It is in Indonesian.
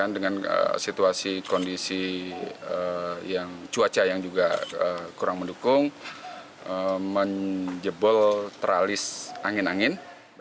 dengan situasi kondisi cuaca yang juga kurang mendukung menjebol tralis angin angin